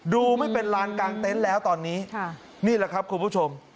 ดูไม่เป็นลานกลางเต็นต์แล้วตอนนี้นี่แหละครับคุณผู้ชม